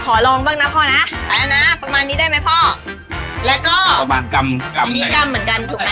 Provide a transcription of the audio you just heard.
ประดูกตึกทางไหน